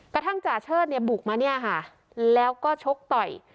กระทั่งจ่าเชิดเนี่ยบุกมาเนี่ยค่ะแล้วก็ชกต่อย